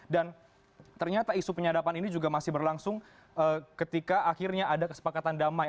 dan ternyata isu penyadaban ini juga masih berlangsung ketika akhirnya ada kesepakatan damai